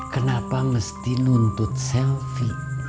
kenapa mesti nuntut selfie